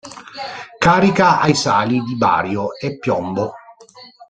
Carica ai sali di Bario e Piombo.